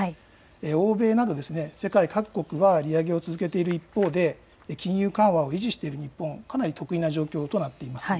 欧米など世界各国は利上げを続けている一方で金融緩和を維持している日本、かなり特異な状況となっています。